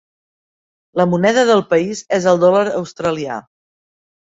La moneda del país és el dòlar australià.